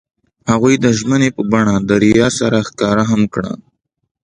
هغوی د ژمنې په بڼه دریا سره ښکاره هم کړه.